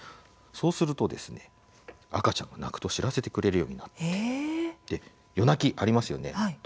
そうすると、赤ちゃんが泣くと知らせてくれるようになって夜泣き、ありますよね。